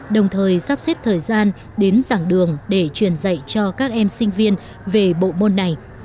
đồng thời sắp xếp thời gian đến giảng đường để truyền dạy cho các em sinh viên về bộ môn này